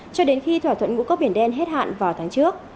cho đến khi thỏa thuận ngũ cốc biển đen hết hạn vào tháng trước